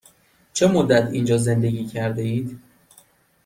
چه مدت اینجا زندگی کرده اید؟